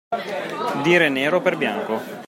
Dire nero per bianco.